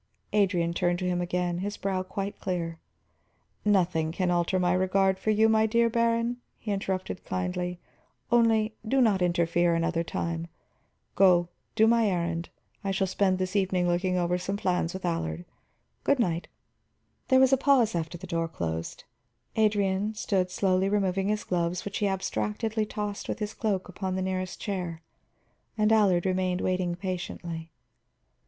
Adrian turned to him again, his brow quite clear. "Nothing can alter my regard for you, my dear baron," he interrupted kindly. "Only, do not interfere another time. Go, do my errand; I shall spend this evening looking over some plans with Allard. Good night." There was a pause after the door closed. Adrian stood slowly removing his gloves, which he abstractedly tossed with his cloak upon the nearest chair, and Allard remained waiting patiently.